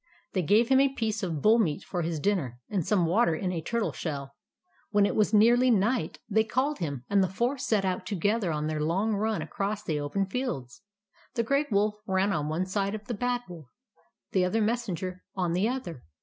They gave him a piece of bull meat for his dinner, and some water in a turtle shell. When it was nearly night, they called him ; and the four set out together on their long run across the open fields. The Grey Wolf ran on one side of the Bad Wolf, and the other Messenger on the other.